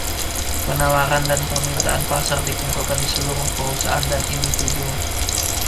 Penawaran dan permintaan pasar dikumpulkan di seluruh perusahaan dan individu.